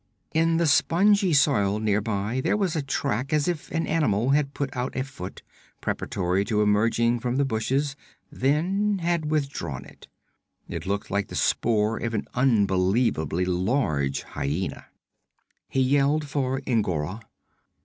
In the spongy soil near by there was a track as if an animal had put out a foot, preparatory to emerging from the bushes, then had withdrawn it. It looked like the spoor of an unbelievably large hyena. He yelled for N'Gora.